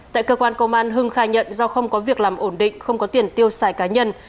tại cơ quan công an hưng khai nhận do không có việc làm ổn định không có tiền tiêu xài cá nhân